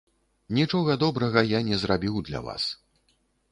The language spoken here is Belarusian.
Нічога добрага я не зрабіў для вас.